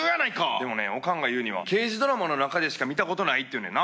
でもねおかんが言うには、刑事ドラマの中でしか見たことないって言うねんな。